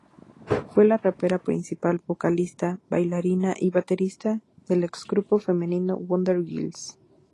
Fue la rapera principal, vocalista, bailarina y baterista del ex grupo femenino Wonder Girls.